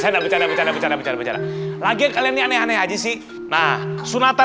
enggak bisa bicara bicara bicara bicara lagi kalian ini aneh aneh aja sih nah sunatan